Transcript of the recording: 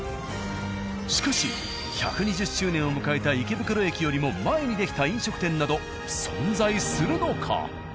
しかし１２０周年を迎えた池袋駅よりも前に出来た飲食店など存在するのか？